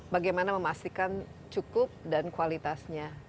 bagaimana memastikan cukup dan kualitasnya